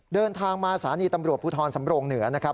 เดินทางมาสถานีตำรวจภูทรสำโรงเหนือนะครับ